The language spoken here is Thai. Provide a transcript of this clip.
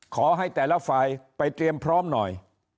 ขอให้แต่ละฝ่ายไปเตรียมพร้อมหน่อย